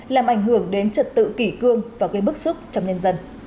làm ảnh hưởng đến trật tự kỷ cương và gây bức xúc trong nhân dân